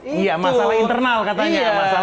iya masalah internal katanya